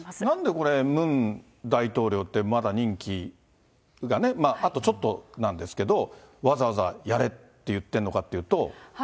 なんでこれ、ムン大統領って、まだ任期があとちょっとなんですけれども、わざわざやれって言ってるのかっていうと。